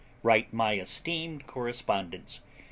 write my esteemed correspondents.